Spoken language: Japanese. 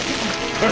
えっ。